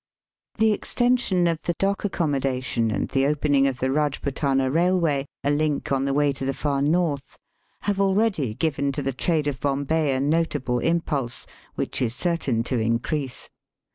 The extension of the dock accommodation and the opening of the Kajpootana Railway, a link on the way to the far North, have already given to the trade of Bombay a notable impulse, which is certain to increase.